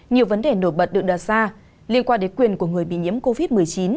nhiều vấn đề nổi bật được đặt ra liên quan đến quyền của người bị nhiễm covid một mươi chín